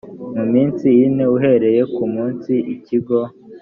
mu minsi ine uhereye ku munsi ikigo